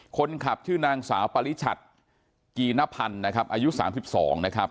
คนขับชื่อนางสาวปริชัดกีนพันธ์นะครับอายุ๓๒นะครับ